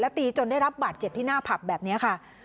ตีจนได้รับบาดเจ็บที่หน้าผับแบบนี้ค่ะ